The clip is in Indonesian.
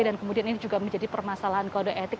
dan kemudian ini juga menjadi permasalahan kode etik